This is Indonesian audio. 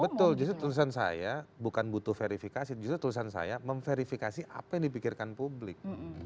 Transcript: betul justru tulisan saya bukan butuh verifikasi justru tulisan saya memverifikasi apa yang dipikirkan publik